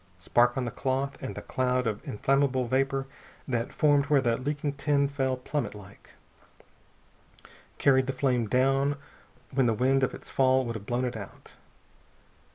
Spark on the cloth, and the cloud of inflammable vapor that formed where the leaking tin fell plummetlike, carried the flame down when the wind of its fall would have blown it out.